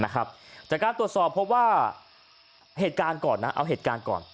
จากการตรวจสอบพบว่าเหตุการณ์ก่อนนะเอาเหตุการณ์ก่อน